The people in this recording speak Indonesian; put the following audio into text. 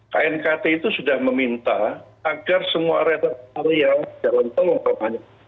knkt itu sudah meminta agar semua area area jalan tolong makanya